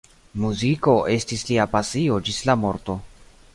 Muziko estis lia pasio ĝis la morto.